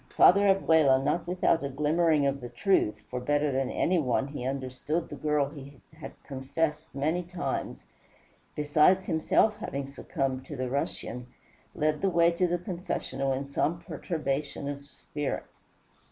Father Abella, not without a glimmering of the truth, for better than any one he understood the girl he had confessed many times, besides himself having succumbed to the Russian, led the way to the confessional in some perturbation of spirit.